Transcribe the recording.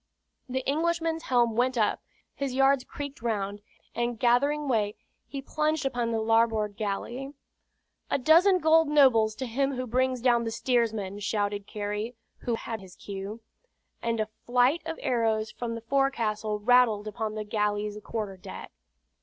The Englishman's helm went up, his yards creaked round, and gathering way he plunged upon the larboard galley. "A dozen gold nobles to him who brings down the steersman!" shouted Carey, who had his cue. And a flight of arrows from the forecastle rattled upon the galley's quarter deck.